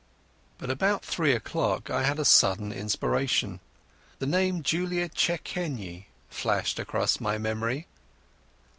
But about three o'clock I had a sudden inspiration. The name Julia Czechenyi flashed across my memory.